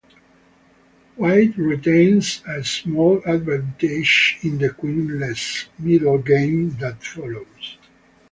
White retains a small advantage in the queenless middlegame that follows.